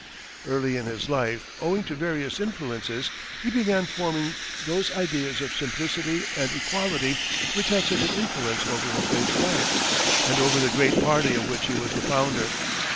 Early in his life, owing to various influences, he began forming those ideas of simplicity and equality which had such an influence over his later life, and over the great party of which he was the founder.